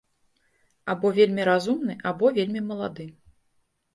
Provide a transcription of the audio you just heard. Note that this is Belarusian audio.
Або вельмі разумны, або вельмі малады.